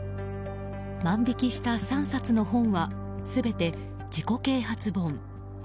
万引きした３冊の本は全て自己啓発本。